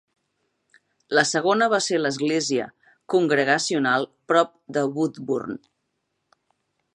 La segona va ser l'Església Congregacional prop de Woodburn.